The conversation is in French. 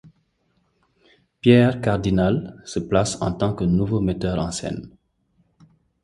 Pierre Cardinal se place en tant que nouveau metteur en scène.